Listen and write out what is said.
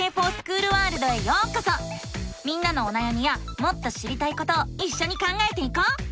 みんなのおなやみやもっと知りたいことをいっしょに考えていこう！